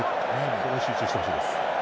それに集中してほしいです。